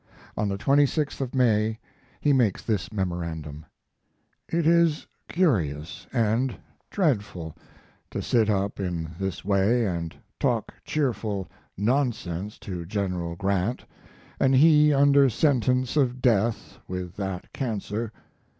On the 26th of May he makes this memorandum: It is curious and dreadful to sit up in this way and talk cheerful nonsense to General Grant, and he under sentence of death with that cancer.